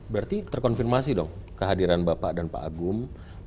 berarti terkonfirmasi dong kehadiran bapak dan pak agung